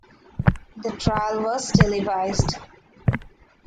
The trial was televised.